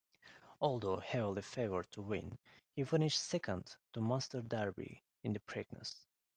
Although heavily favored to win, he finished second to Master Derby in the Preakness.